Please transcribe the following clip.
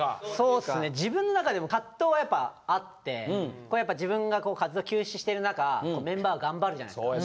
自分の中でも葛藤はやっぱあってやっぱ自分が活動休止してる中メンバーは頑張るじゃないですか。